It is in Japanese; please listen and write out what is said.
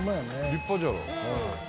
立派じゃん。